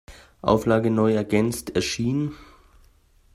Auflage neu ergänzt erschien.